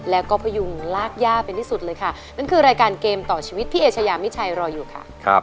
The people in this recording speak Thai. แล้วก็พยุงลากย่าเป็นที่สุดเลยค่ะนั่นคือรายการเกมต่อชีวิตพี่เอเชยามิชัยรออยู่ค่ะ